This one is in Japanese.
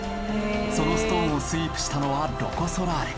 そのストーンをスイープしたのはロコ・ソラーレ。